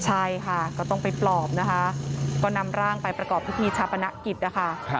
ใช่ค่ะก็ต้องไปปลอบนะคะก็นำร่างไปประกอบพิธีชาปนกิจนะคะ